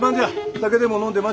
酒でも飲んで待っ